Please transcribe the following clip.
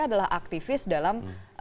adalah aktivis dalam